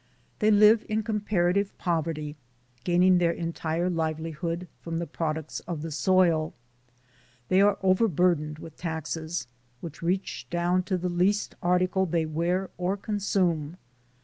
They live in comparative poverty, gaining their entire livelihood from the products of the soil. They are overbur dened with taxes, which reach down to the least article they wear or consume.